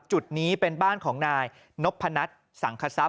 จุดนี้เป็นบ้านของนายนพนัทสังคทรัพย